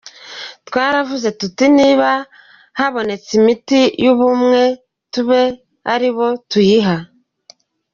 Twaravuze tuti niba ‘habonetse imiti y’ubuntu tube aribo tuyiha’.